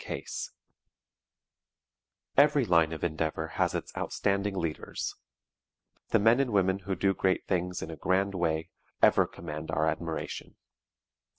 CASE Every line of endeavor has its outstanding leaders. The men and women who do great things in a grand way ever command our admiration.